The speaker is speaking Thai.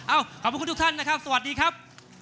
ขอบคุณทุกท่านนะครับสวัสดีครับ